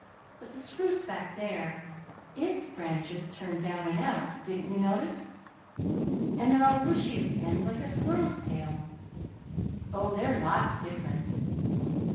But the spruce back there ITS branches turned down and out didn't you notice? and they're all bushy at the ends like a squirrel's tail. Oh, they're lots different!